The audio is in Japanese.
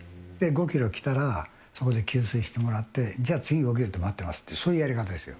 ５キロ来たら、そこで給水してもらって、じゃあ、次５キロ先で待ってますって、そういうやり方ですよ。